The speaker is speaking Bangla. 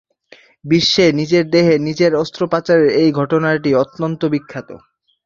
বিশ্বে নিজের দেহে নিজের অস্ত্রোপচারের এই ঘটনাটি অত্যন্ত বিখ্যাত।